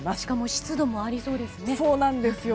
湿度もありそうですね。